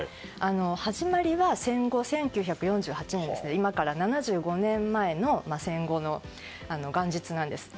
始まりは戦後１９４８年今から７５年前の戦後の元日なんです。